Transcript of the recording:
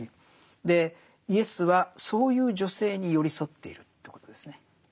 でイエスはそういう女性に寄り添っているということですね。